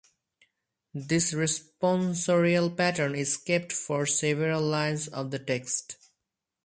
This responsorial pattern is kept for several lines of the text.